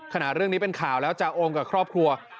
เรื่องนี้เป็นข่าวแล้วจะโอมกับครอบครัว